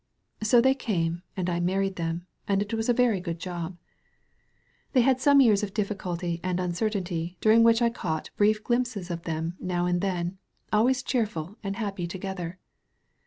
So they came, and I married them, and it was a very good job. 246 SALVAGE POINT Th^ had some years of difficulty and unoer tainty during which I caught brief glimpses of them now and then, always cheerful and happy together.